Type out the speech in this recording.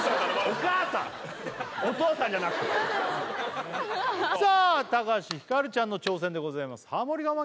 お父さんじゃなくてさあ橋ひかるちゃんの挑戦でございますハモリ我慢